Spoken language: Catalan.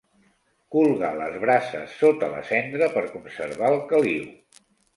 Colgar les brases sota la cendra per conservar el caliu.